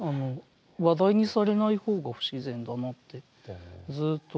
話題にされない方が不自然だなってずっと思ってて。